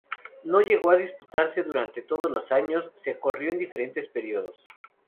No llegó a disputarse durante todos los años, se corrió en diferentes periodos.